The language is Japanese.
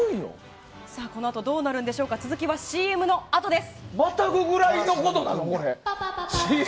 このあとどうなるんでしょうかＣＭのあとです。